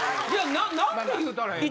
なんて言うたらええの？